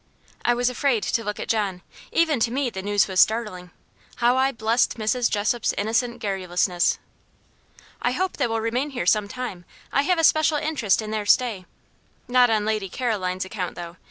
I was afraid to look at John. Even to me the news was startling. How I blessed Mrs. Jessop's innocent garrulousness. "I hope they will remain here some time. I have a special interest in their stay. Not on Lady Caroline's account, though.